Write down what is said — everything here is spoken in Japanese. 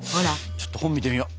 ちょっと本見てみよう。